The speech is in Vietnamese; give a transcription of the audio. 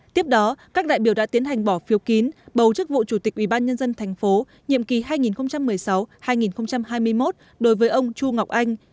tiếp đó các đại biểu đã tiến hành bỏ phiếu kín bầu chức vụ chủ tịch ủy ban nhân dân tp nhậm ký hai nghìn một mươi sáu hai nghìn hai mươi một đối với ông chu ngọc anh